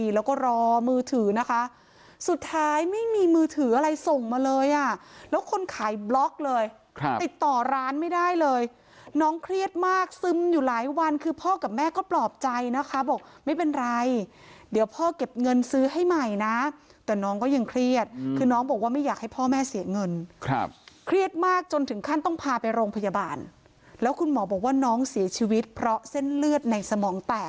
แล้วก็รอมือถือนะคะสุดท้ายไม่มีมือถืออะไรส่งมาเลยอ่ะแล้วคนขายบล็อกเลยติดต่อร้านไม่ได้เลยน้องเครียดมากซึมอยู่หลายวันคือพ่อกับแม่ก็ปลอบใจนะคะบอกไม่เป็นไรเดี๋ยวพ่อเก็บเงินซื้อให้ใหม่นะแต่น้องก็ยังเครียดคือน้องบอกว่าไม่อยากให้พ่อแม่เสียเงินครับเครียดมากจนถึงขั้นต้องพาไปโรงพยาบาลแล้วคุณหมอบอกว่าน้องเสียชีวิตเพราะเส้นเลือดในสมองแตก